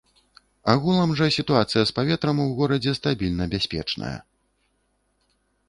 Агулам жа сітуацыя з паветрам у горадзе стабільна бяспечная.